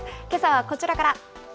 けさはこちらから。